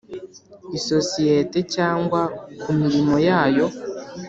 isosiyete cyangwa ku mirimo yayo